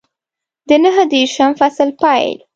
د نهه دېرشم فصل پیل